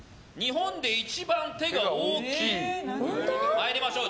参りましょう。